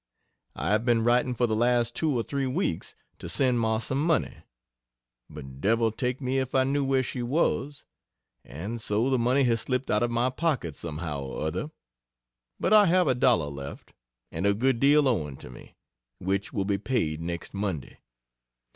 I have been writing for the last two or three weeks, to send Ma some money, but devil take me if I knew where she was, and so the money has slipped out of my pocket somehow or other, but I have a dollar left, and a good deal owing to me, which will be paid next Monday.